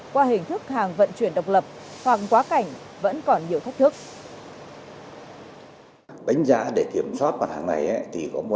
qua hình thức hàng vận chuyển độc lập hàng quá cảnh vẫn còn nhiều thách thức